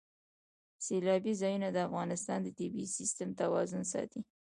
سیلانی ځایونه د افغانستان د طبعي سیسټم توازن ساتي.